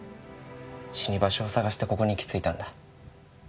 死に場所を探してここに行き着いたんだ。